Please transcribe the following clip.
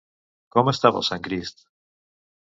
Com estava el Sant Crist?